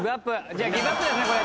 じゃあギブアップですねこれ。